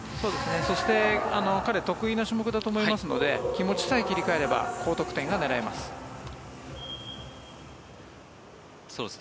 そして彼は得意の種目だと思うので気持ちさえ切り替えれば高得点が狙えます。